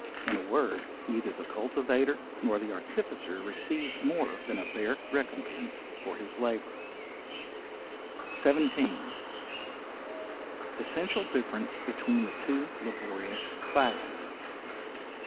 In a word, neither the cultivator, nor the artificer receives more than a bare recompense for his labour. §17. Essential difference between the two laborious classes.